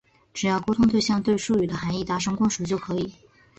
只要沟通对象对术语的含义达成共识就可以。